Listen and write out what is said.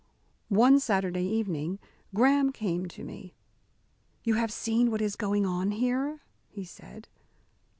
One Saturday evening, Graham came to me. "You have seen what is going on here?" he said.